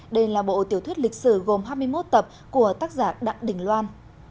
đây là bộ tiểu thuyết lịch sử gồm hai mươi một tập của tác giả đặng đình loan